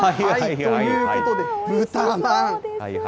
ということで、豚まん。